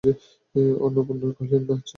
অন্নপূর্ণা কহিলেন, না, চিঠি লেখা হইবে না।